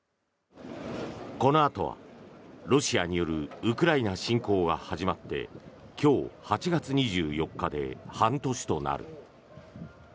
このあとは、ロシアによるウクライナ侵攻が始まって今日、８月２４日で半年となる。